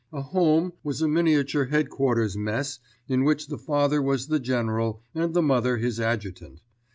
A home was a miniature headquarters mess in which the father was the general and the mother his adjutant.